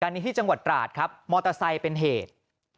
อันนี้ที่จังหวัดตราดครับมอเตอร์ไซค์เป็นเหตุ